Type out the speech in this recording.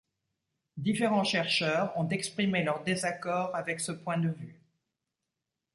Différents chercheurs ont exprimé leur désaccord avec ce point de vue.